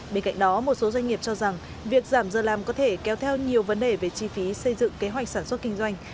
bên cạnh đó một số doanh nghiệp cho rằng việc giảm giờ làm có thể kéo theo nhiều vấn đề về chi phí xây dựng kế hoạch sản xuất kinh doanh